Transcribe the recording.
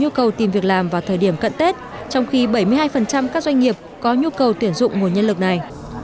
bảy mươi hai có nhu cầu tìm việc làm vào thời điểm cận tết trong khi bảy mươi hai các doanh nghiệp có nhu cầu tuyển dụng nguồn nhân lực này